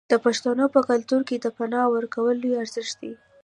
د پښتنو په کلتور کې د پنا ورکول لوی ارزښت دی.